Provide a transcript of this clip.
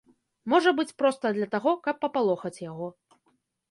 Можа быць, проста для таго, каб папалохаць яго.